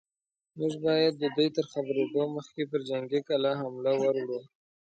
موږ بايد د دوی تر خبرېدو مخکې پر جنګي کلا حمله ور وړو.